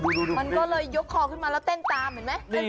มันก็เลยยกคอขึ้นมาแล้วเต้นตามเห็นไหม